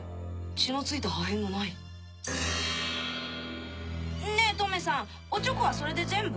血の付いた破片がないねぇトメさんオチョコはそれで全部？